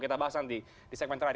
kita bahas nanti di segmen terakhir